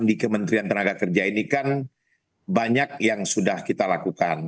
di kementerian tenaga kerja ini kan banyak yang sudah kita lakukan